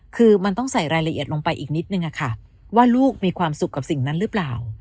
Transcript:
คือมันต้องใส่รายละเอียดลงไปอีกนิดนึงอะค่ะว่าลูกมีความสุขกับสิ่งนั้นหรือเปล่า